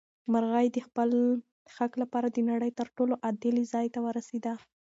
مرغۍ د خپل حق لپاره د نړۍ تر ټولو عادل ځای ته ورسېده.